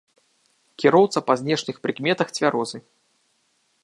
Кіроўца па знешніх прыкметах цвярозы.